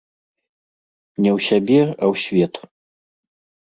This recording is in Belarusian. Не ў сябе, а ў свет.